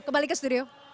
kembali ke studio